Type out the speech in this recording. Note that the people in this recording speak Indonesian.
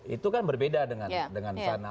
itu kan berbeda dengan sana